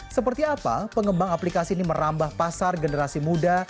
seperti apa pengembang aplikasi ini merambah pasar generasi muda